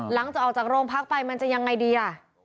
หลังจากออกจากโรงพักไปมันจะยังไงดีอ่ะ